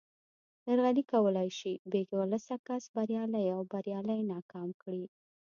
درغلي کولای شي بې ولسه کس بریالی او بریالی ناکام کړي